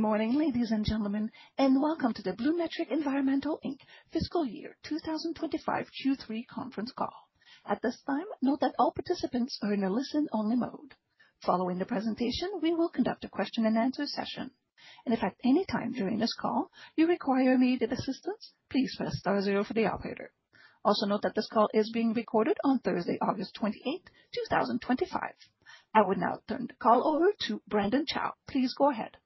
Good morning, ladies and gentlemen, and welcome to the BluMetric Environmental Inc. fiscal year 2025 Q3 conference call. At this time, note that all participants are in a listen-only mode. Following the presentation, we will conduct a question-and-answer session, and if at any time during this call you require immediate assistance, please press star zero for the operator. Also note that this call is being recorded on Thursday, August 28, 2025. I will now turn the call over to Brandon Chow. Please go ahead.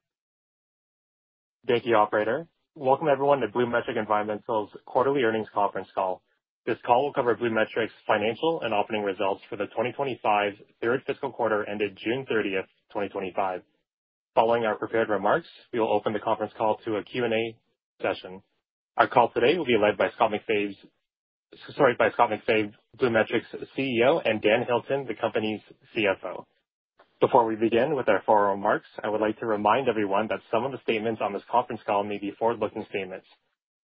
Thank you, Operator. Welcome, everyone, to BluMetric Environmental's quarterly earnings conference call. This call will cover BluMetric's financial and operating results for the 2025 third fiscal quarter ended June 30, 2025. Following our prepared remarks, we will open the conference call to a Q&A session. Our call today will be led by Scott MacFabe, BluMetric's CEO, and Dan Hilton, the company's CFO. Before we begin with our formal remarks, I would like to remind everyone that some of the statements on this conference call may be forward-looking statements.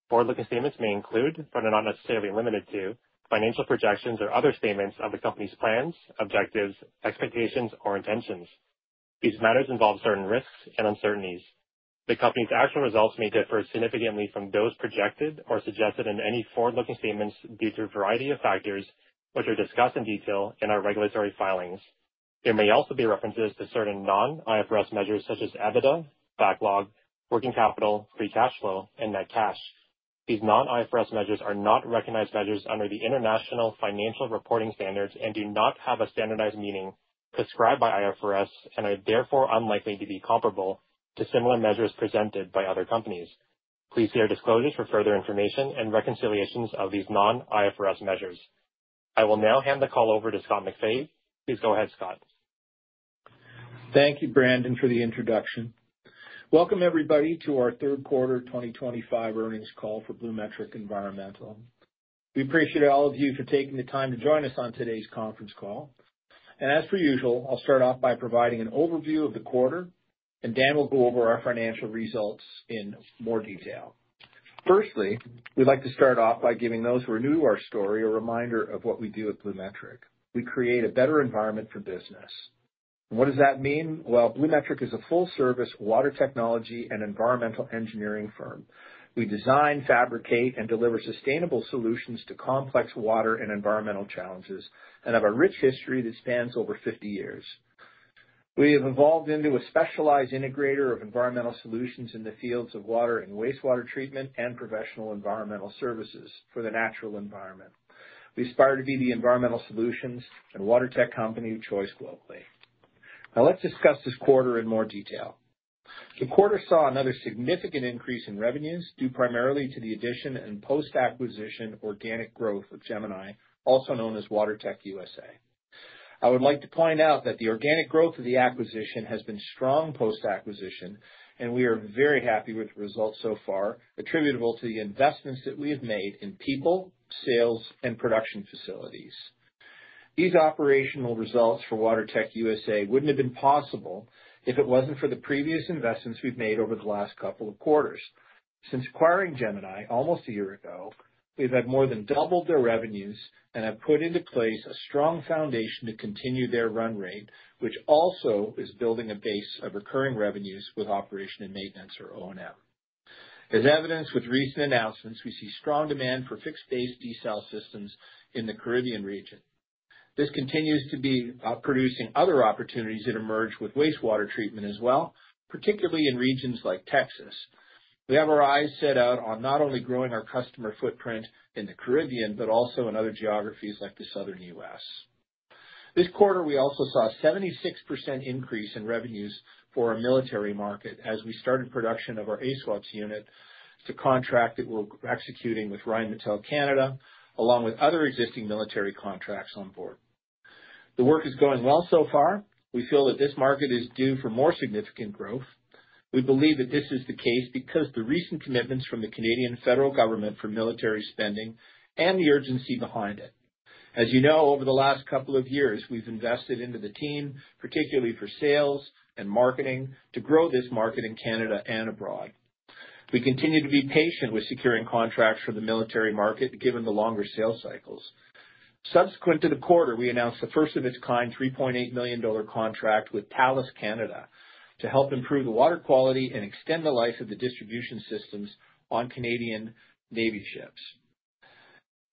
Forward-looking statements may include, but are not necessarily limited to, financial projections or other statements of the company's plans, objectives, expectations, or intentions. These matters involve certain risks and uncertainties. The company's actual results may differ significantly from those projected or suggested in any forward-looking statements due to a variety of factors, which are discussed in detail in our regulatory filings. There may also be references to certain non-IFRS measures such as EBITDA, backlog, working capital, free cash flow, and net cash. These non-IFRS measures are not recognized measures under the International Financial Reporting Standards and do not have a standardized meaning prescribed by IFRS and are therefore unlikely to be comparable to similar measures presented by other companies. Please see our disclosures for further information and reconciliations of these non-IFRS measures. I will now hand the call over to Scott MacFabe. Please go ahead, Scott. Thank you, Brandon, for the introduction. Welcome, everybody, to our third quarter 2025 earnings call for BluMetric Environmental. We appreciate all of you for taking the time to join us on today's conference call. As per usual, I'll start off by providing an overview of the quarter, and Dan will go over our financial results in more detail. Firstly, we'd like to start off by giving those who are new to our story a reminder of what we do at BluMetric. We create a better environment for business. What does that mean? BluMetric is a full-service water technology and environmental engineering firm. We design, fabricate, and deliver sustainable solutions to complex water and environmental challenges and have a rich history that spans over 50 years. We have evolved into a specialized integrator of environmental solutions in the fields of water and wastewater treatment and professional environmental services for the natural environment. We aspire to be the environmental solutions and WaterTech company of choice globally. Now, let's discuss this quarter in more detail. The quarter saw another significant increase in revenues due primarily to the addition and post-acquisition organic growth of Gemini, also known as WaterTech USA. I would like to point out that the organic growth of the acquisition has been strong post-acquisition, and we are very happy with the results so far, attributable to the investments that we have made in people, sales, and production facilities. These operational results for WaterTech USA wouldn't have been possible if it wasn't for the previous investments we've made over the last couple of quarters. Since acquiring Gemini almost a year ago, we've had more than doubled their revenues and have put into place a strong foundation to continue their run rate, which also is building a base of recurring revenues with operation and maintenance, or O&M. As evidenced with recent announcements, we see strong demand for fixed-base desal systems in the Caribbean region. This continues to be producing other opportunities that emerge with wastewater treatment as well, particularly in regions like Texas. We have our eyes set out on not only growing our customer footprint in the Caribbean, but also in other geographies like the southern U.S. This quarter, we also saw a 76% increase in revenues military market as we started production of our ASUWPS unit to a contract that we're executing with Rheinmetall Canada, along with other existing military contracts on board. The work is going well so far. We feel that this market is due for more significant growth. We believe that this is the case because of the recent commitments from the Canadian federal government for military spending and the urgency behind it. As you know, over the last couple of years, we've invested into the team, particularly for sales and marketing, to grow this market in Canada and abroad. We continue to be patient with securing contracts military market given the longer sales cycles. Subsequent to the quarter, we announced the first-of-its-kind 3.8 million dollar contract with Thales Canada to help improve the water quality and extend the life of the distribution systems on Canadian Navy ships.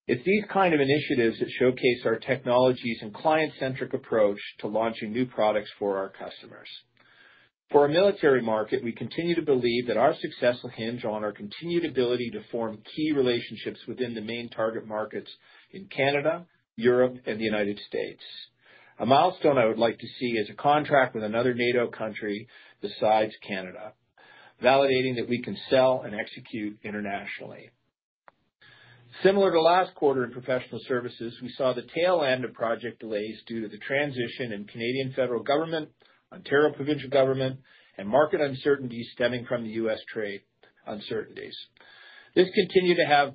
It's these kinds of initiatives that showcase our technologies and client-centric approach to launching new products for our customers. For military market, we continue to believe that our success will hinge on our continued ability to form key relationships within the main target markets in Canada, Europe, and the United States. A milestone I would like to see is a contract with another NATO country besides Canada, validating that we can sell and execute internationally. Similar to last quarter in professional services, we saw the tail end of project delays due to the transition in Canadian federal government, Ontario provincial government, and market uncertainties stemming from the U.S. trade uncertainties. This continued to have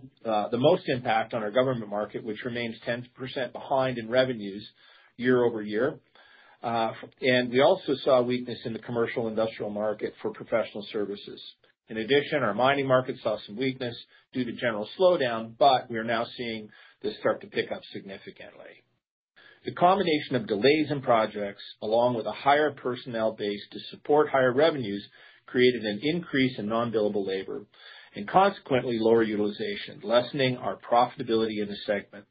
the most impact on our government market, which remains 10% behind in revenues year-over-year. We also saw weakness in the Commercial and Industrial market for professional services. In addition, mining market saw some weakness due to general slowdown, but we are now seeing this start to pick up significantly. The combination of delays in projects, along with a higher personnel base to support higher revenues, created an increase in non-billable labor and consequently lower utilization, lessening our profitability in the segment.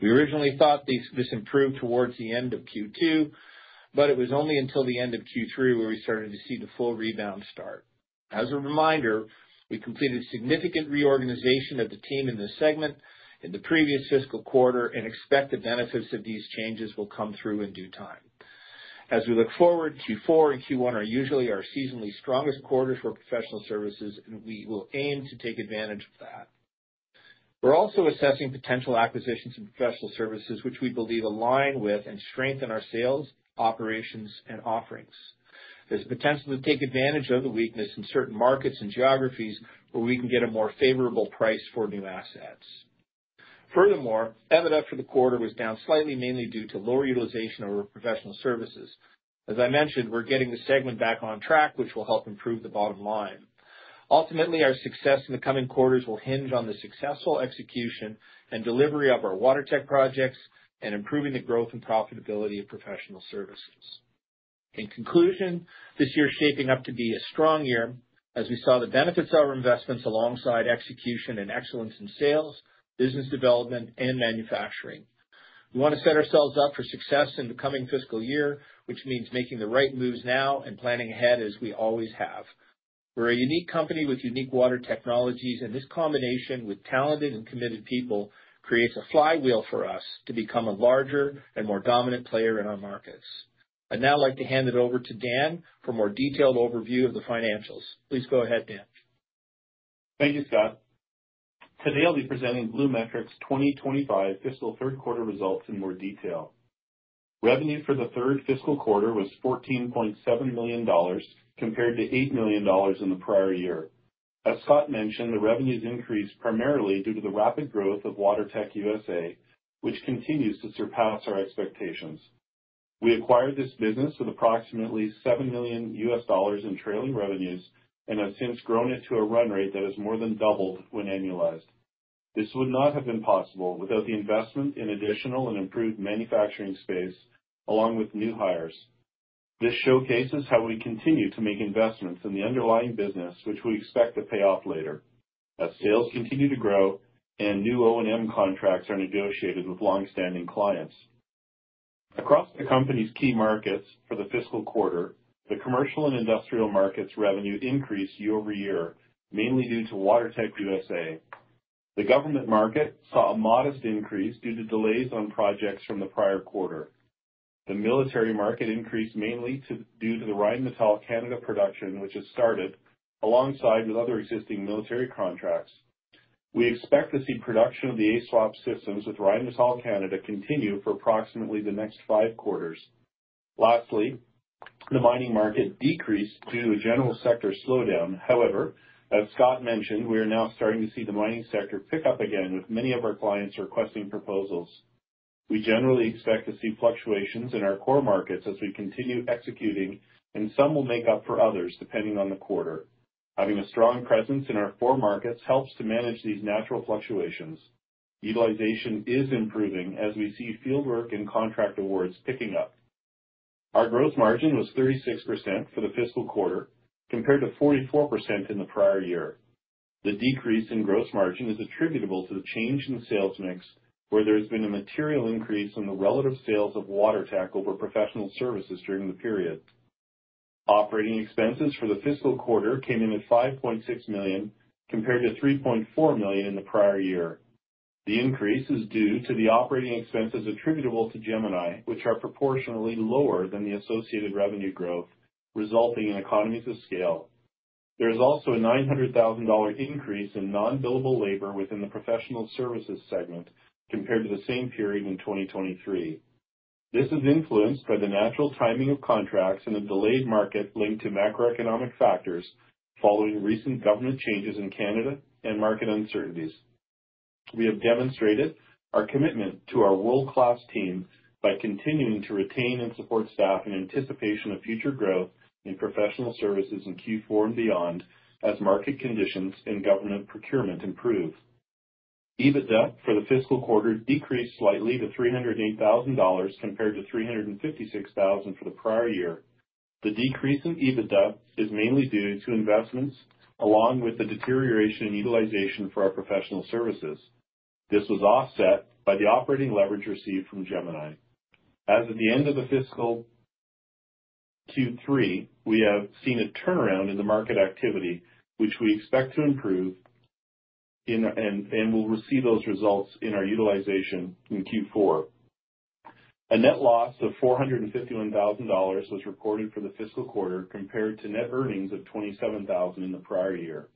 We originally thought this improved towards the end of Q2, but it was only until the end of Q3 where we started to see the full rebound start. As a reminder, we completed significant reorganization of the team in this segment in the previous fiscal quarter, and expect the benefits of these changes will come through in due time. As we look forward, Q4 and Q1 are usually our seasonally strongest quarters for professional services, and we will aim to take advantage of that. We're also assessing potential acquisitions in professional services, which we believe align with and strengthen our sales, operations, and offerings. There's a potential to take advantage of the weakness in certain markets and geographies where we can get a more favorable price for new assets. Furthermore, EBITDA for the quarter was down slightly, mainly due to lower utilization of our professional services. As I mentioned, we're getting the segment back on track, which will help improve the bottom line. Ultimately, our success in the coming quarters will hinge on the successful execution and delivery of our WaterTech projects and improving the growth and profitability of professional services. In conclusion, this year is shaping up to be a strong year as we saw the benefits of our investments alongside execution and excellence in sales, business development, and manufacturing. We want to set ourselves up for success in the coming fiscal year, which means making the right moves now and planning ahead as we always have. We're a unique company with unique water technologies, and this combination with talented and committed people creates a flywheel for us to become a larger and more dominant player in our markets. I'd now like to hand it over to Dan for a more detailed overview of the financials. Please go ahead, Dan. Thank you, Scott. Today, I'll be presenting BluMetric's 2025 fiscal third quarter results in more detail. Revenue for the third fiscal quarter was 14.7 million dollars compared to 8 million dollars in the prior year. As Scott mentioned, the revenues increased primarily due to the rapid growth of WaterTech USA, which continues to surpass our expectations. We acquired this business with approximately CAD 7 million in trailing revenues and have since grown it to a run rate that has more than doubled when annualized. This would not have been possible without the investment in additional and improved manufacturing space, along with new hires. This showcases how we continue to make investments in the underlying business, which we expect to pay off later as sales continue to grow and new O&M contracts are negotiated with longstanding clients. Across the company's key markets for the fiscal quarter, the Commercial and Industrial markets' revenue increased year-over-year, mainly due to WaterTech USA. The government market saw a modest increase due to delays on projects from the prior military market increased mainly due to the Rheinmetall Canada production, which has started alongside other existing military contracts. We expect to see production of the ASUWPS systems with Rheinmetall Canada continue for approximately the next five quarters. Mining market decreased due to a general sector slowdown. However, as Scott mentioned, we are now starting to see the mining sector pick up again, with many of our clients requesting proposals. We generally expect to see fluctuations in our core markets as we continue executing, and some will make up for others depending on the quarter. Having a strong presence in our core markets helps to manage these natural fluctuations. Utilization is improving as we see fieldwork and contract awards picking up. Our gross margin was 36% for the fiscal quarter, compared to 44% in the prior year. The decrease in gross margin is attributable to the change in the sales mix, where there has been a material increase in the relative sales of WaterTech over professional services during the period. Operating expenses for the fiscal quarter came in at 5.6 million compared to 3.4 million in the prior year. The increase is due to the operating expenses attributable to Gemini, which are proportionally lower than the associated revenue growth, resulting in economies of scale. There is also a 900,000 dollar increase in non-billable labor within the professional services segment compared to the same period in 2023. This is influenced by the natural timing of contracts and a delayed market linked to macroeconomic factors following recent government changes in Canada and market uncertainties. We have demonstrated our commitment to our world-class team by continuing to retain and support staff in anticipation of future growth in professional services in Q4 and beyond as market conditions and government procurement improve. EBITDA for the fiscal quarter decreased slightly to 308,000 dollars compared to 356,000 for the prior year. The decrease in EBITDA is mainly due to investments along with the deterioration in utilization for our professional services. This was offset by the operating leverage received from Gemini. As of the end of the fiscal Q3, we have seen a turnaround in the market activity, which we expect to improve and will receive those results in our utilization in Q4. A net loss of 451,000 dollars was reported for the fiscal quarter compared to net earnings of 27,000 in the prior year.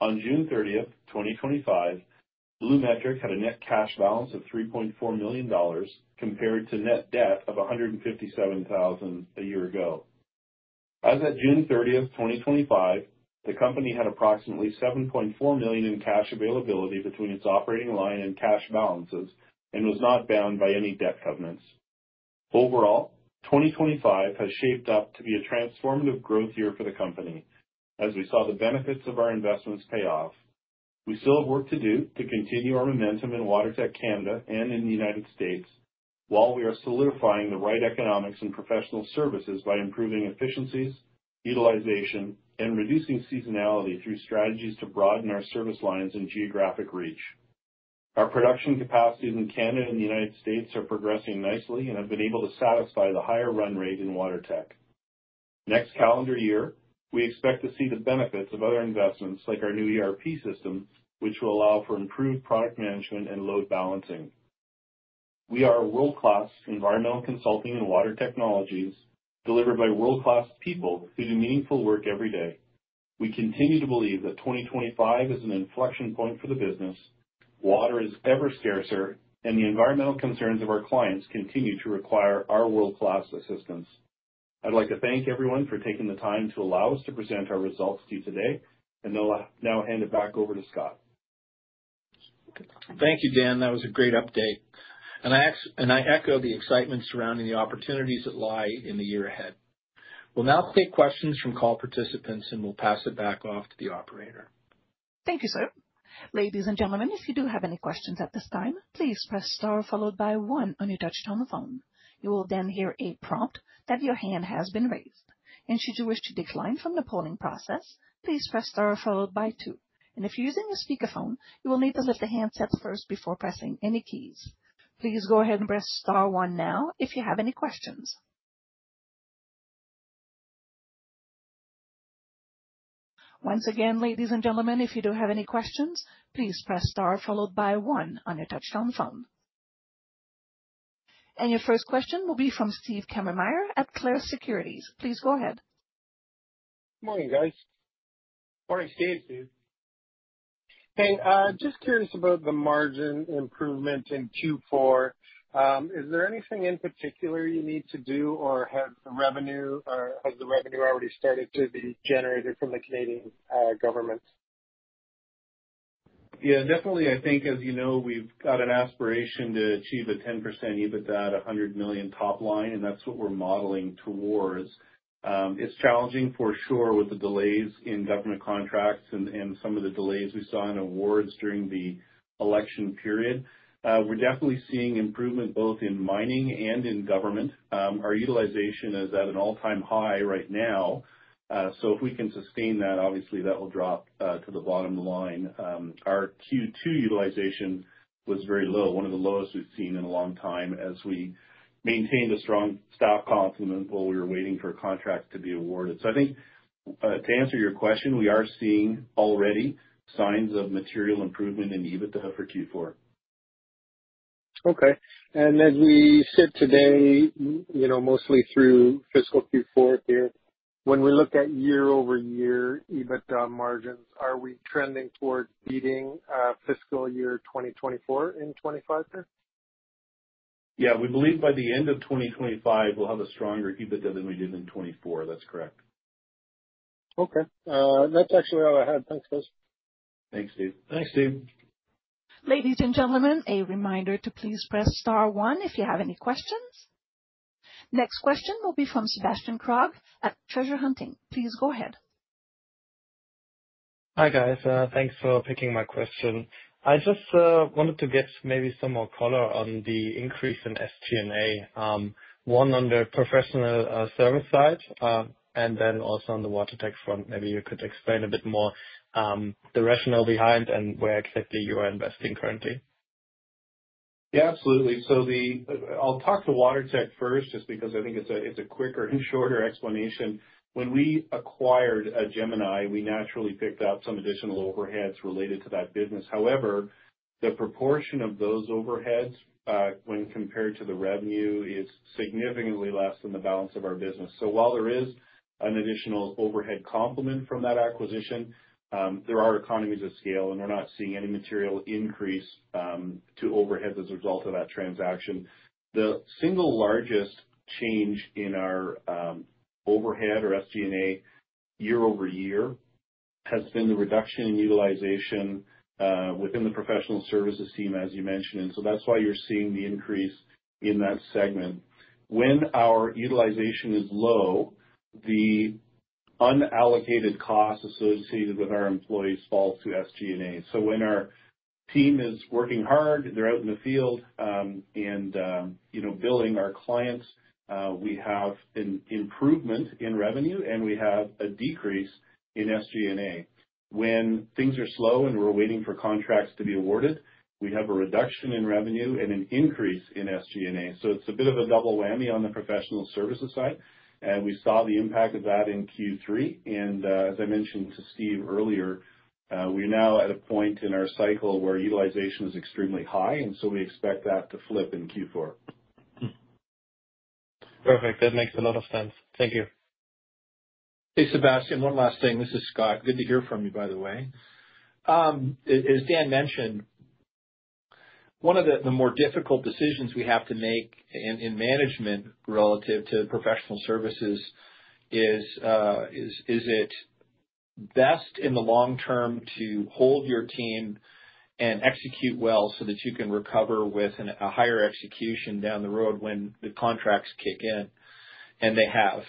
On June 30, 2025, BluMetric had a net cash balance of 3.4 million dollars compared to net debt of 157,000 a year ago. As of June 30, 2025, the company had approximately 7.4 million in cash availability between its operating line and cash balances and was not bound by any debt covenants. Overall, 2025 has shaped up to be a transformative growth year for the company, as we saw the benefits of our investments pay off. We still have work to do to continue our momentum in WaterTech Canada and in the United States while we are solidifying the right economics and professional services by improving efficiencies, utilization, and reducing seasonality through strategies to broaden our service lines and geographic reach. Our production capacities in Canada and the United States are progressing nicely and have been able to satisfy the higher run rate in WaterTech. Next calendar year, we expect to see the benefits of other investments like our new ERP system, which will allow for improved product management and load balancing. We are a world-class environmental consulting and water technologies delivered by world-class people who do meaningful work every day. We continue to believe that 2025 is an inflection point for the business. Water is ever scarcer, and the environmental concerns of our clients continue to require our world-class assistance. I'd like to thank everyone for taking the time to allow us to present our results to you today, and I'll now hand it back over to Scott. Thank you, Dan. That was a great update. And I echo the excitement surrounding the opportunities that lie in the year ahead. We'll now take questions from call participants, and we'll pass it back off to the operator. Thank you, sir. Ladies and gentlemen, if you do have any questions at this time, please press star followed by one on your touch-tone phone. You will then hear a prompt that your hand has been raised. And should you wish to decline from the polling process, please press star followed by two. And if you're using a speakerphone, you will need to lift the handset up first before pressing any keys. Please go ahead and press star one now if you have any questions. Once again, ladies and gentlemen, if you do have any questions, please press star followed by one on your touch-tone phone. And your first question will be from Steve Kammermayer at Clarus Securities. Please go ahead. Morning, guys. Morning, Steve. Hey, just curious about the margin improvement in Q4. Is there anything in particular you need to do, or has the revenue already started to be generated from the Canadian government? Yeah, definitely. I think, as you know, we've got an aspiration to achieve a 10% EBITDA, 100 million top line, and that's what we're modeling towards. It's challenging for sure with the delays in government contracts and some of the delays we saw in awards during the election period. We're definitely seeing improvement both in mining and in government. Our utilization is at an all-time high right now. So if we can sustain that, obviously that will drop to the bottom line. Our Q2 utilization was very low, one of the lowest we've seen in a long time as we maintained a strong stock complement while we were waiting for a contract to be awarded. So I think to answer your question, we are seeing already signs of material improvement in EBITDA for Q4. Okay, and as we sit today, mostly through fiscal Q4 here, when we look at year-over-year EBITDA margins, are we trending towards beating fiscal year 2024 in 2025 here? Yeah, we believe by the end of 2025, we'll have a stronger EBITDA than we did in 2024. That's correct. Okay. That's actually all I had. Thanks, guys. Thanks, Steve. Thanks, Steve. Ladies and gentlemen, a reminder to please press star one if you have any questions. Next question will be from Sebastian Krog at Treasure Hunting. Please go ahead. Hi, guys. Thanks for picking my question. I just wanted to get maybe some more color on the increase in SG&A, one on the professional service side and then also on the WaterTech front. Maybe you could explain a bit more the rationale behind and where exactly you are investing currently? Yeah, absolutely. So I'll talk to WaterTech first just because I think it's a quicker and shorter explanation. When we acquired Gemini, we naturally picked out some additional overheads related to that business. However, the proportion of those overheads when compared to the revenue is significantly less than the balance of our business. So while there is an additional overhead complement from that acquisition, there are economies of scale, and we're not seeing any material increase to overhead as a result of that transaction. The single largest change in our overhead or SG&A year-over-year has been the reduction in utilization within the professional services team, as you mentioned. And so that's why you're seeing the increase in that segment. When our utilization is low, the unallocated costs associated with our employees fall to SG&A. So when our team is working hard, they're out in the field and billing our clients, we have an improvement in revenue, and we have a decrease in SG&A. When things are slow and we're waiting for contracts to be awarded, we have a reduction in revenue and an increase in SG&A. So it's a bit of a double whammy on the professional services side, and we saw the impact of that in Q3. And as I mentioned to Steve earlier, we're now at a point in our cycle where utilization is extremely high, and so we expect that to flip in Q4. Perfect. That makes a lot of sense. Thank you. Hey, Sebastian, one last thing. This is Scott. Good to hear from you, by the way. As Dan mentioned, one of the more difficult decisions we have to make in management relative to professional services is, is it best in the long term to hold your team and execute well so that you can recover with a higher execution down the road when the contracts kick in? And they have.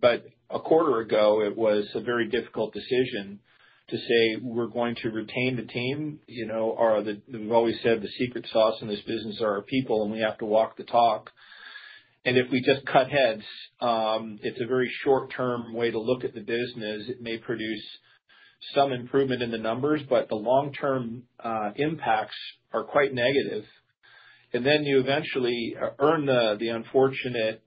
But a quarter ago, it was a very difficult decision to say, "We're going to retain the team." We've always said the secret sauce in this business are our people, and we have to walk the talk. And if we just cut heads, it's a very short-term way to look at the business. It may produce some improvement in the numbers, but the long-term impacts are quite negative. And then you eventually earn the unfortunate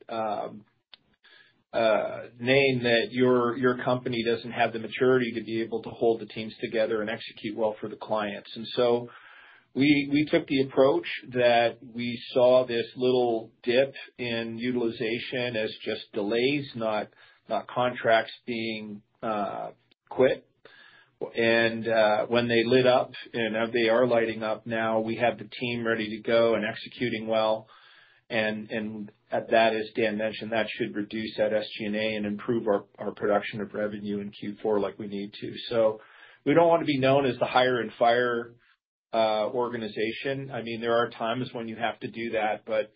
name that your company doesn't have the maturity to be able to hold the teams together and execute well for the clients. And so we took the approach that we saw this little dip in utilization as just delays, not contracts being quit. And when they lit up, and they are lighting up now, we have the team ready to go and executing well. And that, as Dan mentioned, that should reduce that SG&A and improve our production of revenue in Q4 like we need to. So we don't want to be known as the hire-and-fire organization. I mean, there are times when you have to do that, but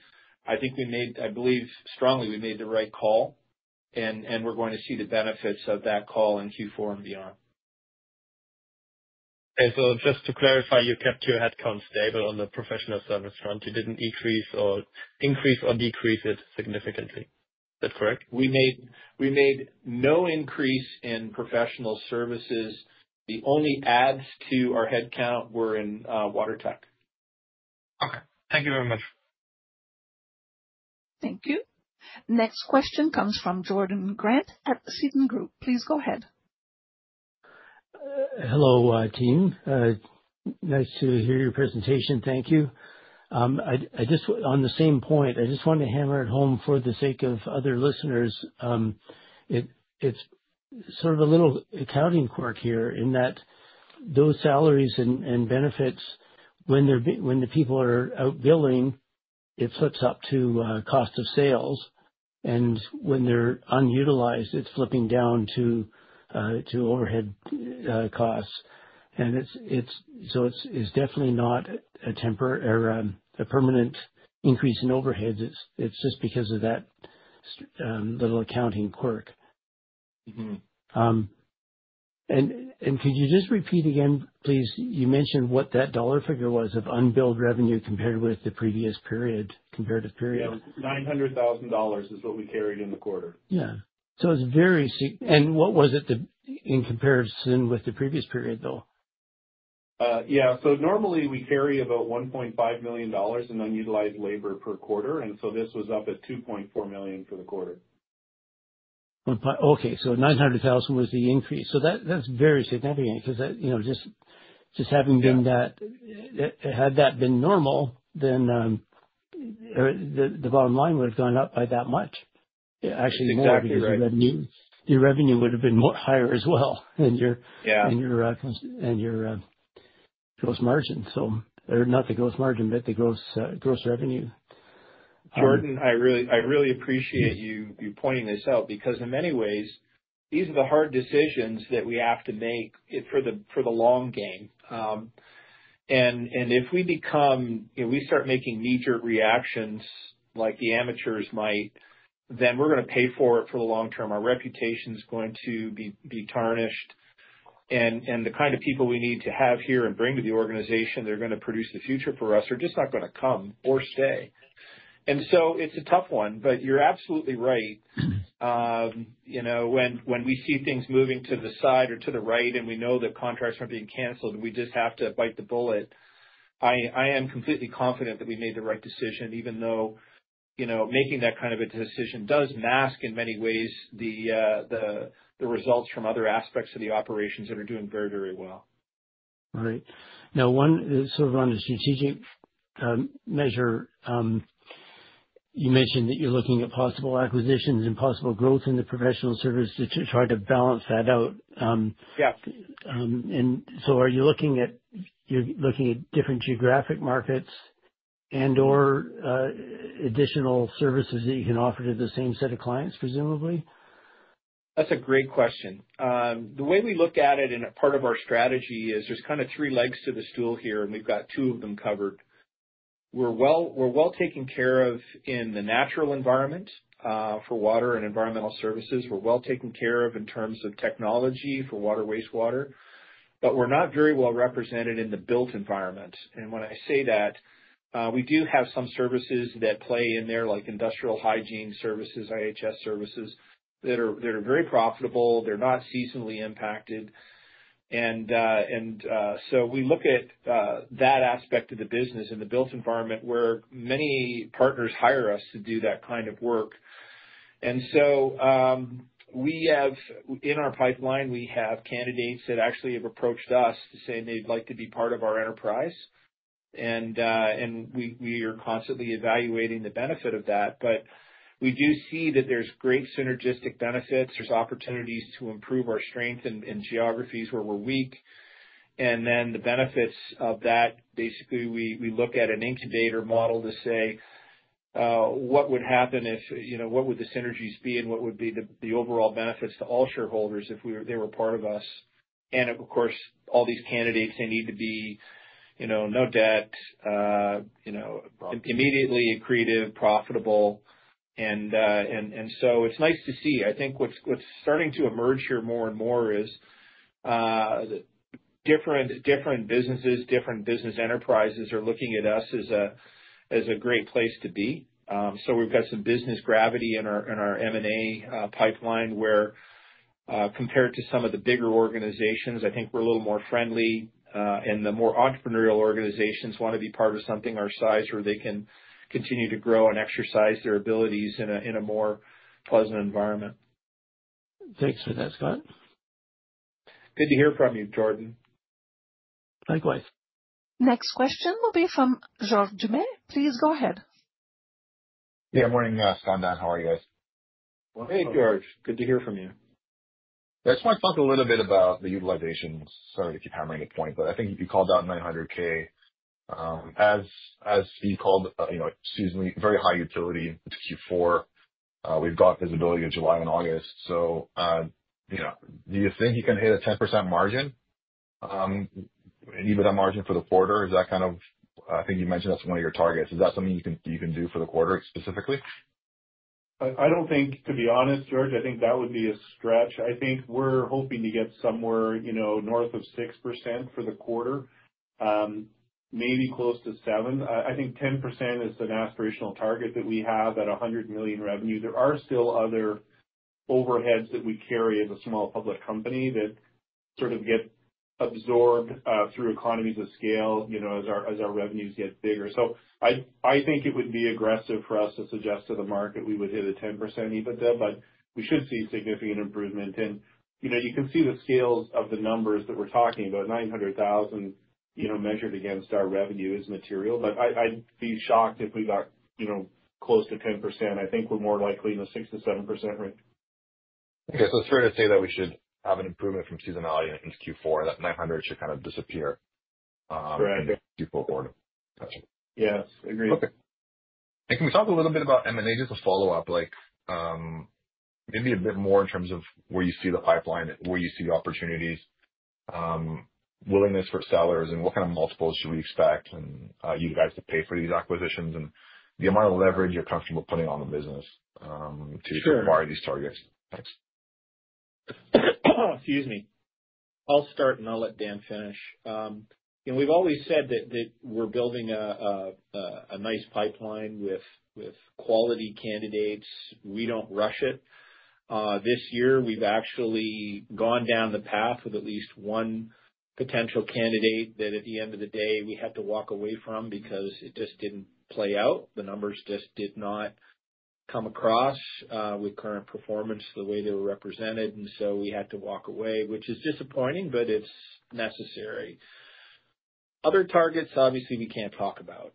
I think we made, I believe strongly, we made the right call, and we're going to see the benefits of that call in Q4 and beyond. Just to clarify, you kept your headcount stable on the professional service front. You didn't increase or decrease it significantly. Is that correct? We made no increase in professional services. The only adds to our headcount were in WaterTech. Okay. Thank you very much. Thank you. Next question comes from Jordan Grant at Seaton Group. Please go ahead. Hello, team. Nice to hear your presentation. Thank you. On the same point, I just want to hammer it home for the sake of other listeners. It's sort of a little accounting quirk here in that those salaries and benefits, when the people are out billing, it flips up to cost of sales. And when they're unutilized, it's flipping down to overhead costs. And so it's definitely not a permanent increase in overheads. It's just because of that little accounting quirk. And could you just repeat again, please? You mentioned what that dollar figure was of unbilled revenue compared with the previous period, comparative period. 900,000 is what we carried in the quarter. Yeah. So it's very, and what was it in comparison with the previous period, though? Yeah. So normally we carry about 1.5 million dollars in unutilized labor per quarter. And so this was up at 2.4 million for the quarter. Okay. So 900,000 was the increase. So that's very significant because just having been that, had that been normal, then the bottom line would have gone up by that much. Actually, more because your revenue would have been higher as well than your gross margin. So not the gross margin, but the gross revenue. Jordan, I really appreciate you pointing this out because in many ways, these are the hard decisions that we have to make for the long game. And if we start making knee-jerk reactions like the amateurs might, then we're going to pay for it for the long term. Our reputation is going to be tarnished. And the kind of people we need to have here and bring to the organization, they're going to produce the future for us, are just not going to come or stay. And so it's a tough one, but you're absolutely right. When we see things moving to the side or to the right, and we know that contracts are being canceled, we just have to bite the bullet. I am completely confident that we made the right decision, even though making that kind of a decision does mask in many ways the results from other aspects of the operations that are doing very, very well. All right. Now, sort of on a strategic measure, you mentioned that you're looking at possible acquisitions and possible growth in the professional service to try to balance that out, and so are you looking at different geographic markets and/or additional services that you can offer to the same set of clients, presumably? That's a great question. The way we look at it and part of our strategy is there's kind of three legs to the stool here, and we've got two of them covered. We're well taken care of in the natural environment for water and environmental services. We're well taken care of in terms of technology for water, wastewater, but we're not very well represented in the built environment, and when I say that, we do have some services that play in there, like Industrial Hygiene services, IHS services, that are very profitable. They're not seasonally impacted, and so we look at that aspect of the business in the built environment where many partners hire us to do that kind of work, and so in our pipeline, we have candidates that actually have approached us to say they'd like to be part of our enterprise. And we are constantly evaluating the benefit of that. But we do see that there's great synergistic benefits. There's opportunities to improve our strength in geographies where we're weak. And then the benefits of that, basically, we look at an incubator model to say, "What would happen if—what would the synergies be, and what would be the overall benefits to all shareholders if they were part of us?" And of course, all these candidates, they need to be no debt, immediately accretive, profitable. And so it's nice to see. I think what's starting to emerge here more and more is different businesses, different business enterprises are looking at us as a great place to be. So we've got some business gravity in our M&A pipeline where compared to some of the bigger organizations, I think we're a little more friendly. The more entrepreneurial organizations want to be part of something our size where they can continue to grow and exercise their abilities in a more pleasant environment. Thanks for that, Scott. Good to hear from you, Jordan. Likewise. Next question will be from George Doumet. Please go ahead. Hey, good morning, Scott. How are you guys? Hey, George. Good to hear from you. Yeah, I just want to talk a little bit about the utilization. Sorry to keep hammering the point, but I think you called out 900,000. As you called it, excuse me, very high utilization to Q4. We've got visibility of July and August. So do you think you can hit a 10% margin, an EBITDA margin for the quarter? Is that kind of—I think you mentioned that's one of your targets. Is that something you can do for the quarter specifically? I don't think, to be honest, George. I think that would be a stretch. I think we're hoping to get somewhere north of 6% for the quarter, maybe close to 7%. I think 10% is an aspirational target that we have at 100 million revenue. There are still other overheads that we carry as a small public company that sort of get absorbed through economies of scale as our revenues get bigger. So I think it would be aggressive for us to suggest to the market we would hit a 10% EBITDA, but we should see significant improvement. And you can see the scales of the numbers that we're talking about, 900,000 measured against our revenue is material. But I'd be shocked if we got close to 10%. I think we're more likely in the 6%-7% range. Okay. So it's fair to say that we should have an improvement from seasonality into Q4. [That 900] should kind of disappear in Q4 quarter. Correct. Yes. Agreed. Okay. And can we talk a little bit about M&A? Just a follow-up, maybe a bit more in terms of where you see the pipeline, where you see the opportunities, willingness for sellers, and what kind of multiples should we expect you guys to pay for these acquisitions and the amount of leverage you're comfortable putting on the business to acquire these targets? Thanks. Excuse me. I'll start, and I'll let Dan finish. We've always said that we're building a nice pipeline with quality candidates. We don't rush it. This year, we've actually gone down the path with at least one potential candidate that at the end of the day, we had to walk away from because it just didn't play out. The numbers just did not come across with current performance the way they were represented. And so we had to walk away, which is disappointing, but it's necessary. Other targets, obviously, we can't talk about.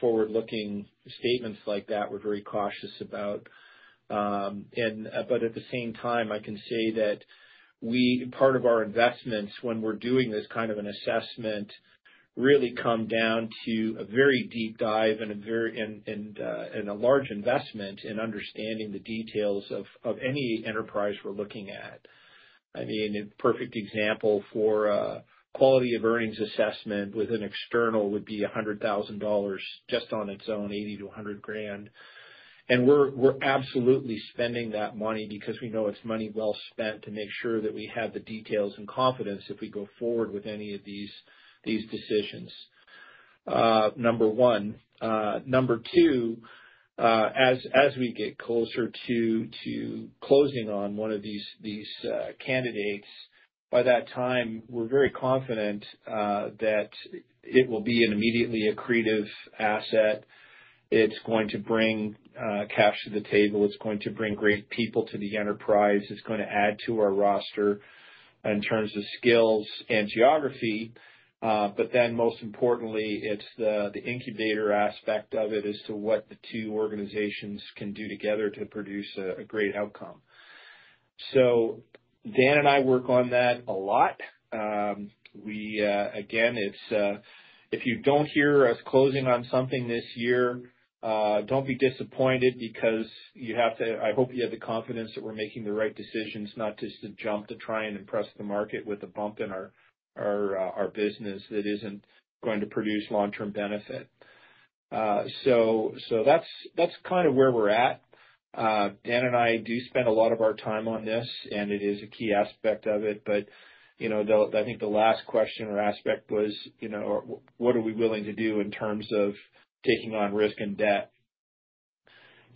Forward-looking statements like that, we're very cautious about. But at the same time, I can say that part of our investments, when we're doing this kind of an assessment, really come down to a very deep dive and a large investment in understanding the details of any enterprise we're looking at. I mean, a perfect example for quality of earnings assessment with an external would be 100,000 dollars just on its own, 80-100 grand, and we're absolutely spending that money because we know it's money well spent to make sure that we have the details and confidence if we go forward with any of these decisions, number one. Number two, as we get closer to closing on one of these candidates, by that time, we're very confident that it will be an immediately accretive asset. It's going to bring cash to the table. It's going to bring great people to the enterprise. It's going to add to our roster in terms of skills and geography, but then most importantly, it's the incubator aspect of it as to what the two organizations can do together to produce a great outcome, so Dan and I work on that a lot. Again, if you don't hear us closing on something this year, don't be disappointed because I hope you have the confidence that we're making the right decisions not just to jump to try and impress the market with a bump in our business that isn't going to produce long-term benefit. So that's kind of where we're at. Dan and I do spend a lot of our time on this, and it is a key aspect of it. But I think the last question or aspect was, what are we willing to do in terms of taking on risk and debt?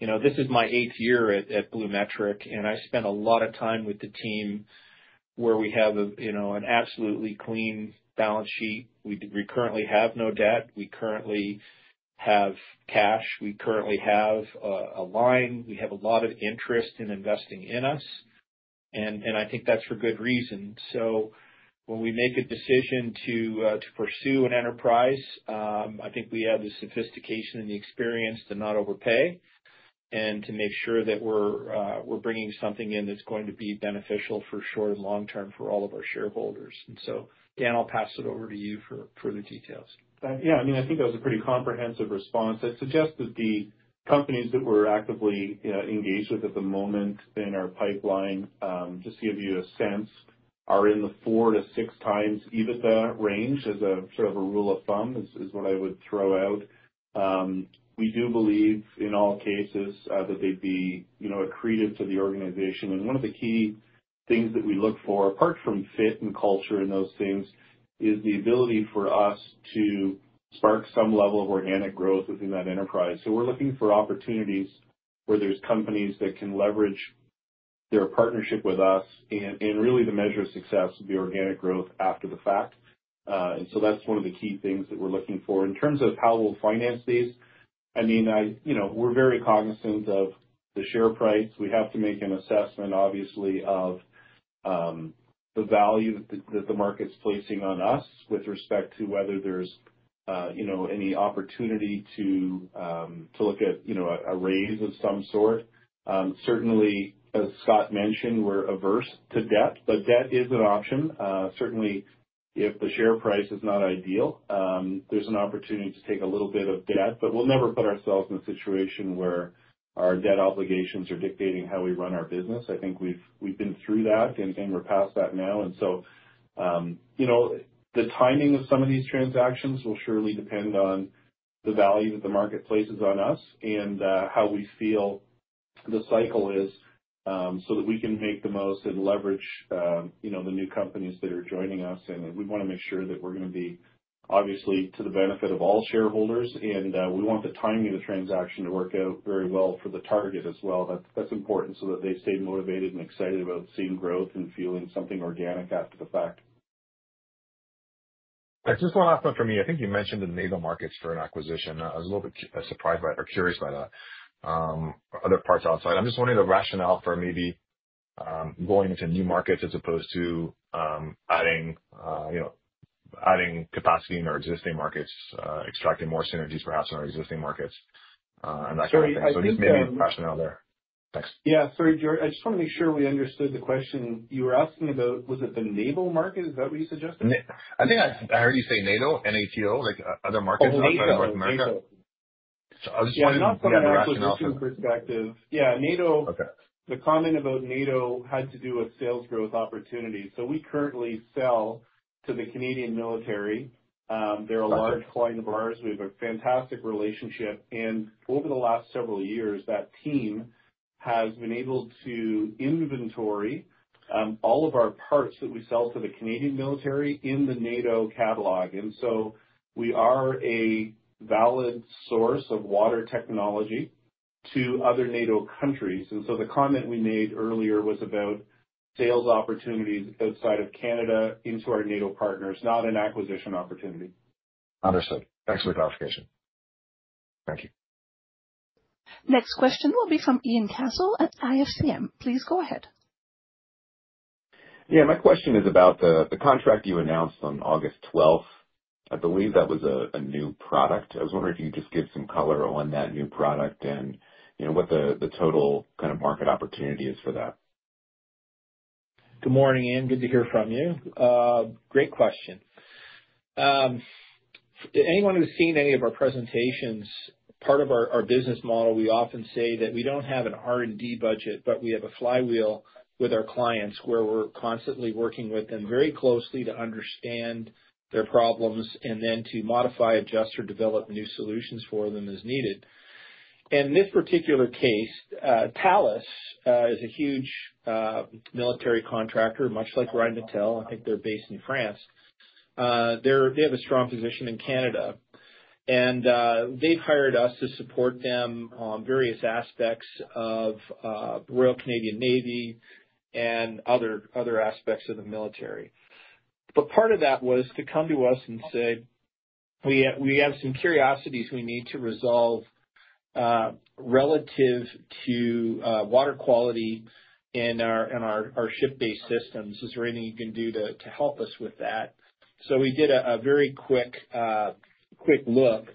This is my eighth year at BluMetric, and I spent a lot of time with the team where we have an absolutely clean balance sheet. We currently have no debt. We currently have cash. We currently have a line. We have a lot of interest in investing in us. I think that's for good reason. So when we make a decision to pursue an enterprise, I think we have the sophistication and the experience to not overpay and to make sure that we're bringing something in that's going to be beneficial for short and long term for all of our shareholders. And so Dan, I'll pass it over to you for further details. Yeah. I mean, I think that was a pretty comprehensive response. I'd suggest that the companies that we're actively engaged with at the moment in our pipeline, just to give you a sense, are in the four-to-six times EBITDA range as a sort of a rule of thumb is what I would throw out. We do believe in all cases that they'd be accretive to the organization. And one of the key things that we look for, apart from fit and culture and those things, is the ability for us to spark some level of organic growth within that enterprise. So we're looking for opportunities where there's companies that can leverage their partnership with us. And really, the measure of success would be organic growth after the fact. And so that's one of the key things that we're looking for. In terms of how we'll finance these, I mean, we're very cognizant of the share price. We have to make an assessment, obviously, of the value that the market's placing on us with respect to whether there's any opportunity to look at a raise of some sort. Certainly, as Scott mentioned, we're averse to debt, but debt is an option. Certainly, if the share price is not ideal, there's an opportunity to take a little bit of debt. But we'll never put ourselves in a situation where our debt obligations are dictating how we run our business. I think we've been through that, and we're past that now. And so the timing of some of these transactions will surely depend on the value that the market places on us and how we feel the cycle is so that we can make the most and leverage the new companies that are joining us. And we want to make sure that we're going to be obviously to the benefit of all shareholders. And we want the timing of the transaction to work out very well for the target as well. That's important so that they stay motivated and excited about seeing growth and feeling something organic after the fact. Just one last one for me. I think you mentioned the nascent markets for an acquisition. I was a little bit surprised or curious by that. Other parts outside. I'm just wondering the rationale for maybe going into new markets as opposed to adding capacity in our existing markets, extracting more synergies, perhaps, in our existing markets, and that kind of thing. So just maybe rationale there. Thanks. Yeah. Sorry, George. I just want to make sure we understood the question you were asking about. Was it the naval market? Is that what you suggested? I think I heard you say NATO, N-A-T-O, like other markets outside of North America, so I was just wondering from the rationale. Yeah. The comment about NATO had to do with sales growth opportunities. So we currently sell to the Canadian military. They're a large client of ours. We have a fantastic relationship. And over the last several years, that team has been able to inventory all of our parts that we sell to the Canadian military in the NATO catalog. And so we are a valid source of water technology to other NATO countries. And so the comment we made earlier was about sales opportunities outside of Canada into our NATO partners, not an acquisition opportunity. Understood. Thanks for the clarification. Thank you. Next question will be from Ian Cassel at IFCM. Please go ahead. Yeah. My question is about the contract you announced on August 12th. I believe that was a new product. I was wondering if you could just give some color on that new product and what the total kind of market opportunity is for that? Good morning, Ian. Good to hear from you. Great question. Anyone who's seen any of our presentations, part of our business model, we often say that we don't have an R&D budget, but we have a flywheel with our clients where we're constantly working with them very closely to understand their problems and then to modify, adjust, or develop new solutions for them as needed. And in this particular case, Thales is a huge military contractor, much like Rheinmetall. I think they're based in France. They have a strong position in Canada. And they've hired us to support them on various aspects of Royal Canadian Navy and other aspects of the military. But part of that was to come to us and say, "We have some curiosities we need to resolve relative to water quality in our ship-based systems. Is there anything you can do to help us with that?" So we did a very quick look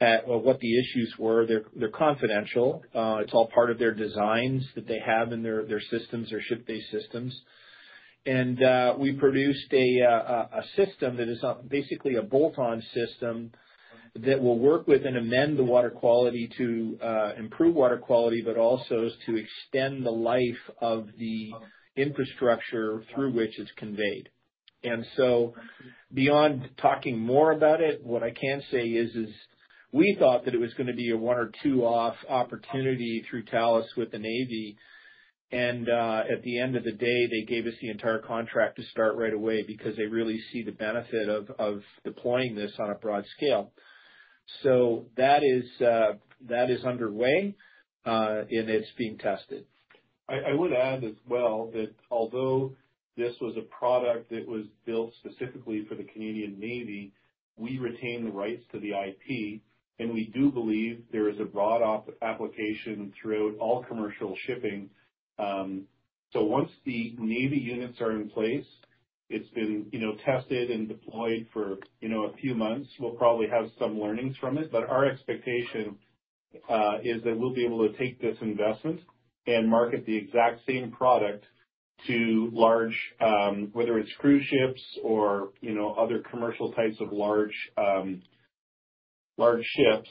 at what the issues were. They're confidential. It's all part of their designs that they have in their systems, their ship-based systems. And we produced a system that is basically a bolt-on system that will work with and amend the water quality to improve water quality, but also to extend the life of the infrastructure through which it's conveyed. And so beyond talking more about it, what I can say is we thought that it was going to be a one or two-off opportunity through Thales with the Navy. And at the end of the day, they gave us the entire contract to start right away because they really see the benefit of deploying this on a broad scale. So that is underway, and it's being tested. I would add as well that although this was a product that was built specifically for the Canadian Navy, we retain the rights to the IP, and we do believe there is a broad application throughout all commercial shipping. Once the Navy units are in place, it's been tested and deployed for a few months. We'll probably have some learnings from it. Our expectation is that we'll be able to take this investment and market the exact same product to large, whether it's cruise ships or other commercial types of large ships.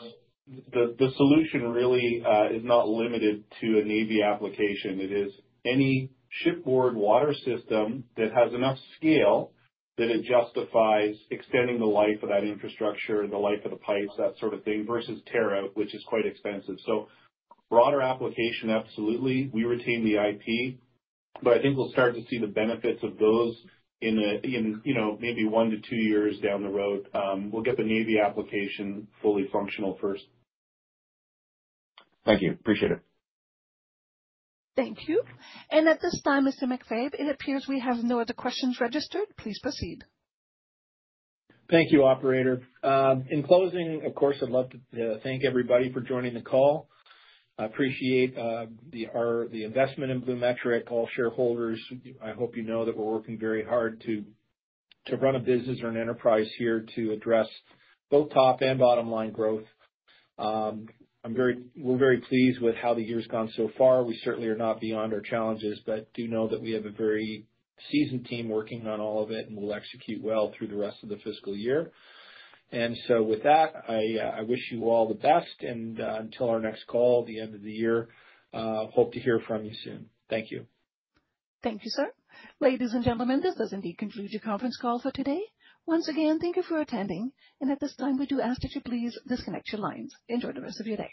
The solution really is not limited to a Navy application. It is any shipboard water system that has enough scale that it justifies extending the life of that infrastructure, the life of the pipes, that sort of thing, versus tear-out, which is quite expensive. Broader application, absolutely. We retain the IP, but I think we'll start to see the benefits of those in maybe one to two years down the road. We'll get the Navy application fully functional first. Thank you. Appreciate it. Thank you. At this time, Mr. MacFabe, it appears we have no other questions registered. Please proceed. Thank you, Operator. In closing, of course, I'd love to thank everybody for joining the call. I appreciate the investment in BluMetric. All shareholders, I hope you know that we're working very hard to run a business or an enterprise here to address both top and bottom-line growth. We're very pleased with how the year has gone so far. We certainly are not beyond our challenges, but do know that we have a very seasoned team working on all of it, and we'll execute well through the rest of the fiscal year. So with that, I wish you all the best, and until our next call at the end of the year, hope to hear from you soon. Thank you. Thank you, sir. Ladies and gentlemen, this does indeed conclude your conference call for today. Once again, thank you for attending. And at this time, we do ask that you please disconnect your lines. Enjoy the rest of your day.